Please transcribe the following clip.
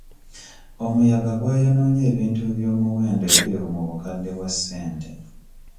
Omuyaga gwayonoonye ebintu eby'omuwendo ebiri mu bukadde bwa ssente.